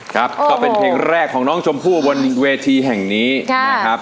ก็เป็นเพลงแรกของน้องชมพู่บนเวทีแห่งนี้นะครับ